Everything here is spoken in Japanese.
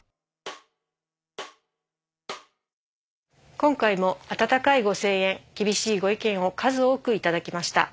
今回も温かいご声援厳しいご意見を数多く頂きました。